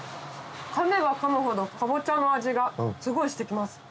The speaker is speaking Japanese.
噛めば噛むほどかぼちゃの味がすごいして来ます。